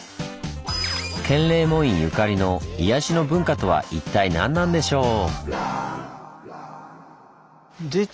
建礼門院ゆかりの「癒やしの文化」とは一体何なんでしょう？